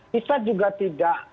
kita juga tidak